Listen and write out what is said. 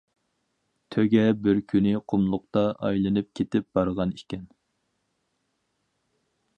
تۆگە بىر كۈنى قۇملۇقتا ئايلىنىپ كېتىپ بارغان ئىكەن.